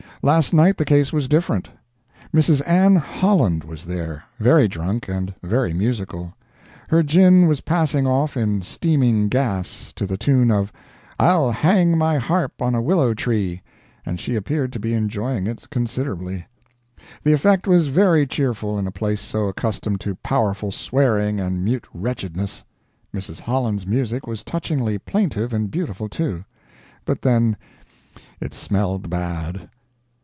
Last night the case was different. Mrs. Ann Holland was there, very drunk, and very musical; her gin was passing off in steaming gas, to the tune of "I'll hang my harp on a willow tree," and she appeared to be enjoying it considerably. The effect was very cheerful in a place so accustomed to powerful swearing and mute wretchedness. Mrs. Holland's music was touchingly plaintive and beautiful, too; but then it smelled bad.